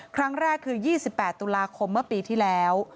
ครั้งแรกคือ๒๘ตุลาคมเมื่อปีที่แล้ว